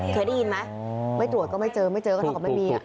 เคยได้ยินมั้ยไม่ตรวจก็ไม่เจอไม่เจอก็ไม่มี